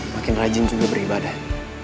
makin rajin juga beribadah